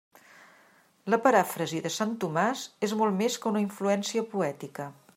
La paràfrasi de sant Tomàs és molt més que una influència poètica.